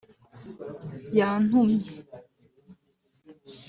Yantumye